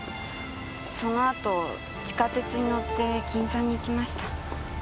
その後地下鉄に乗って銀座に行きました。